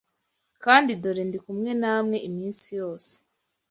Kandi dore ndi kumwe namwe iminsi yose